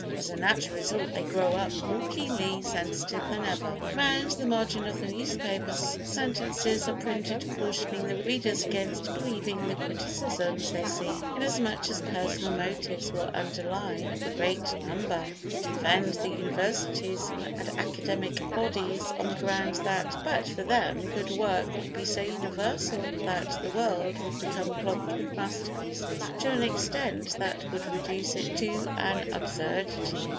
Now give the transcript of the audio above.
As a natural result they grow up more keenly sensitive than ever. Round the margin of the newspapers sentences are printed cautioning the readers against believing the criticisms they see, inasmuch as personal motives will underlie the greater number. They defend the universities and academic bodies on the ground that, but for them, good work would be so universal that the world would become clogged with masterpieces to an extent that would reduce it to an absurdity.